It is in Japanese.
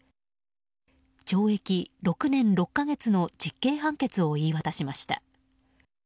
懲役６年６か月の実刑判決を言い渡しました。